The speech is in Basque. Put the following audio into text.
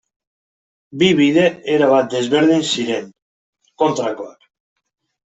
Bi bide erabat desberdin ziren, kontrakoak.